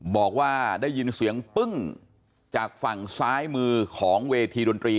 บอกว่าได้ยินเสียงปึ้งจากฝั่งซ้ายมือของเวทีดนตรี